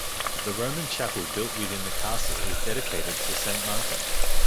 The Roman chapel built within the castle is dedicated to Saint Martin.